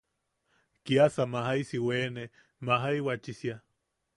Kiasa maisi wene majaiwachisia.